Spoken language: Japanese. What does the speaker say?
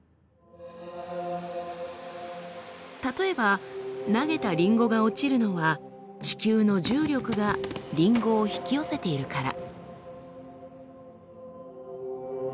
例えば投げたりんごが落ちるのは地球の重力がりんごを引き寄せているから。